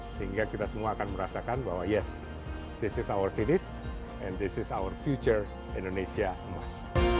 sehingga kita semua akan merasakan bahwa yes this is our cities and this is our future indonesia emas